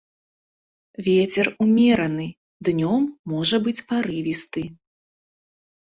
Вецер умераны, днём можа быць парывісты.